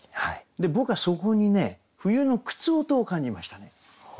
僕はそこにね冬の靴音を感じましたね。